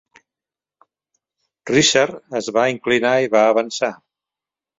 Richard es va inclinar i va avançar.